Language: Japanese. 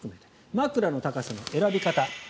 枕の高さの選び方。